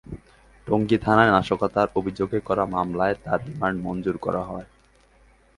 টঙ্গী থানায় নাশকতার অভিযোগে করা মামলায় তাঁর রিমান্ড মঞ্জুর করা হয়।